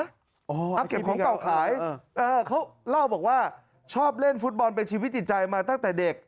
เอาเก็บของเก่าขายเขาเล่าบอกว่าชอบเล่นฟุตบอลเป็นชีวิตจิตใจมาตั้งแต่เด็ก